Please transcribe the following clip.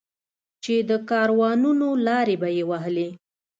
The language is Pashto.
چې د کاروانونو لارې به یې وهلې.